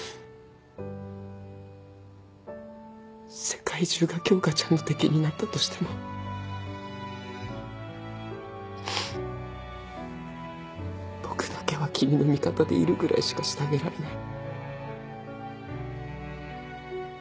世界中が京花ちゃんの敵になったとしても僕だけは君の味方でいるぐらいしかしてあげられない。